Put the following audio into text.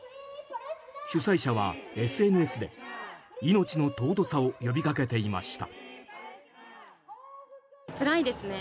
主催者はＳＮＳで命の尊さを呼び掛けていました。